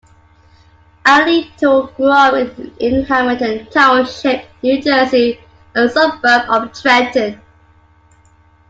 Alito grew up in Hamilton Township, New Jersey, a suburb of Trenton.